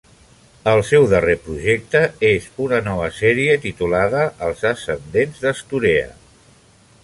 El seu darrer projecte és una nova sèrie titulada "Els ascendents d'Estorea".